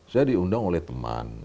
saya diundang oleh teman